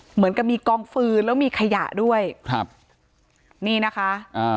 เหมือนกับมีกองฟืนแล้วมีขยะด้วยครับนี่นะคะอ่า